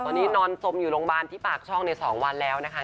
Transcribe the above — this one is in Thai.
ตอนนี้นอนสมอยู่โรงพยาบาลที่ปากช่องใน๒วันแล้วนะคะ